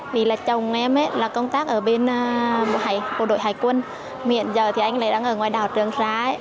vì là chồng em là công tác ở bên bộ đội hải quân miệng giờ thì anh ấy đang ở ngoài đảo trường xá